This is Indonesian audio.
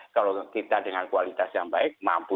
kalau kita dengan kualitas yang baik mampu